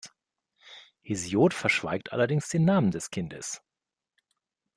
Hesiod verschweigt allerdings den Namen des Kindes.